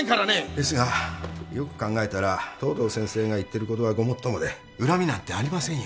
ですがよく考えたら藤堂先生が言ってることはごもっともで恨みなんてありませんよ